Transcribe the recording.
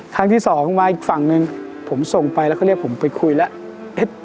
ครั้งที่สองมาอีกฝั่งหนึ่งผมส่งไปแล้วก็เรียกผมไปคุยแล้ว